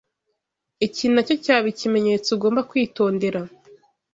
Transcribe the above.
Iki nacyo cyaba ikimenyetso ugomba kwitondera